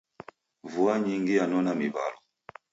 Vua nyingi yanona miw'alwa.